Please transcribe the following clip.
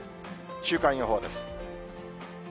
週間予報です。